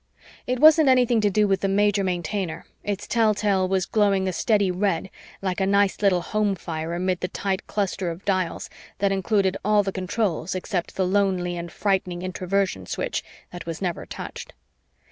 It wasn't anything to do with the Major Maintainer; its telltale was glowing a steady red like a nice little home fire amid the tight cluster of dials that included all the controls except the lonely and frightening Introversion switch that was never touched.